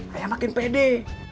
ayah makin pede